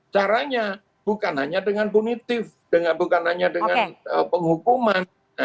caranya bukan hanya dengan punitif bukan hanya dengan penghukuman